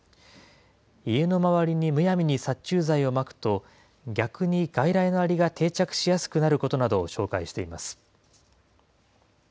家の周りにむやみに殺虫剤をまくと、逆に外来のアリが定着しやすくなることなどを紹介しています。